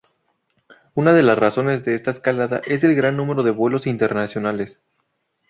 Una de las razones de esta escalada es el gran número de vuelos internacionales.